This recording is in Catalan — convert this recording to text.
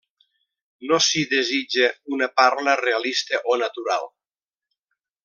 No s'hi desitja una parla realista o natural.